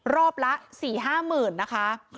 รอบละ๔๕หมื่นนะคะ